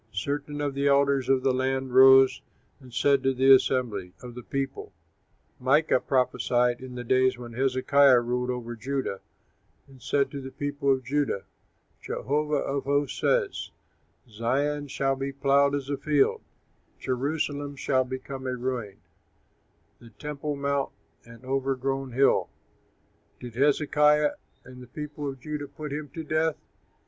Certain of the elders of the land rose and said to the assembly of the people, "Micah prophesied in the days when Hezekiah ruled over Judah, and said to the people of Judah, 'Jehovah of hosts says: "Zion shall be ploughed as a field, Jerusalem shall become a ruin, The temple mount an overgrown hill."' "Did Hezekiah and the people of Judah put him to death?